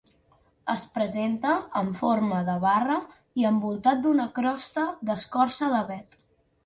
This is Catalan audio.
Es presenta amb forma de barra i envoltat d'una crosta d'escorça d'avet.